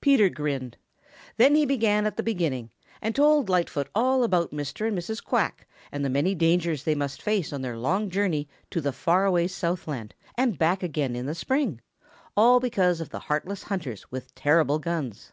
Peter grinned. Then he began at the beginning and told Lightfoot all about Mr. and Mrs. Quack and the many dangers they must face on their long journey to the far away Southland and back again in the spring, all because of the heartless hunters with terrible guns.